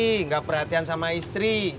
enggak perhatian sama istri